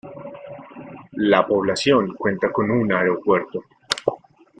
La población cuenta con un aeropuerto.